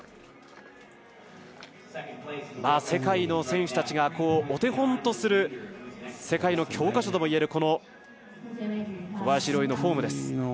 世界の選手たちがお手本とする世界の教科書ともいえる小林陵侑のフォームです。